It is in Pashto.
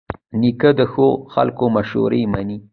نیکه د ښو خلکو مشوره منې.